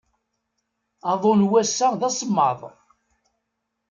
Aḍu n wass-a d asemmaḍ.